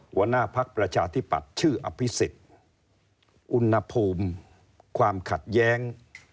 หัวหน้าพักประชาธิปัตย์ชื่ออภิษฎอุณหภูมิความขัดแย้ง